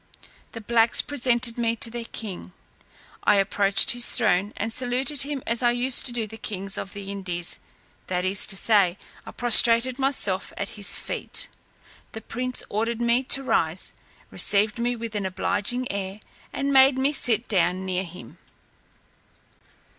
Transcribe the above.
The blacks presented me to their king; I approached his throne, and saluted him as I used to do the kings of the Indies; that is to say, I prostrated myself at his feet. The prince ordered me to rise, received me with an obliging air, and made me sit down near him.